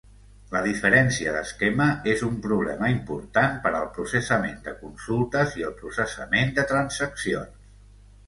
La diferència d'esquema és un problema important per al processament de consultes i el processament de transaccions.